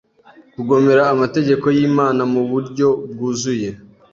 kugomera amategeko y’Imanamubuiryo bwuzuye